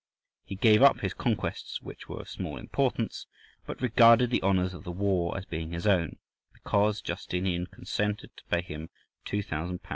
He gave up his conquests—which were of small importance—but regarded the honours of the war as being his own, because Justinian consented to pay him 2,000 lbs.